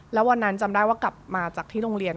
แล้ววันนั้นจำได้ว่ากลับมาจากที่โรงเรียน